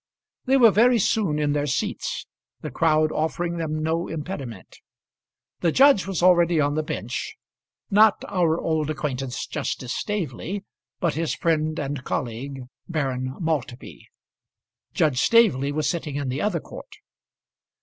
They were very soon in their seats, the crowd offering them no impediment. The judge was already on the bench, not our old acquaintance Justice Staveley, but his friend and colleague Baron Maltby. Judge Staveley was sitting in the other court.